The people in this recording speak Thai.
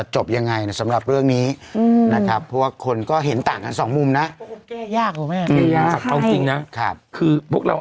จนแบบว่าเมื่อก่อนหน้าบ้านนี่แหละ